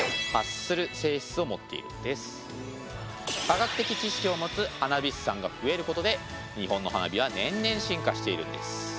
化学的知識を持つ花火師さんが増えることで日本の花火は年々進化しているんです。